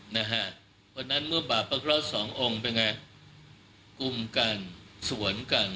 เพราะฉะนั้นเมื่อบาปปรึกแล้วสององค์เป็นไงกลุ่มกันสวนกัน